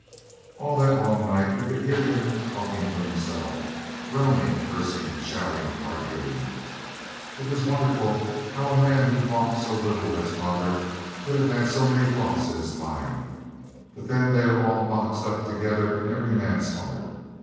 All that long night we could hear him talking to himself, groaning, cursing, shouting, arguing. It was wonderful how a man who talked so little as father could have had so many thoughts in his mind. But then they all are boxed up together in every man's heart.